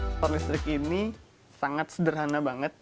motor listrik ini sangat sederhana banget